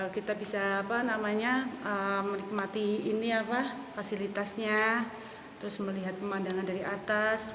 kita bisa menikmati fasilitasnya terus melihat pemandangan dari atas